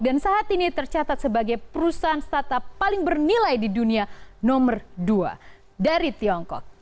dan saat ini tercatat sebagai perusahaan startup paling bernilai di dunia nomor dua dari tiongkok